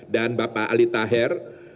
dan bapak ali taher